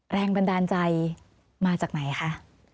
แรงบันดาลใจมาจากไหนคะ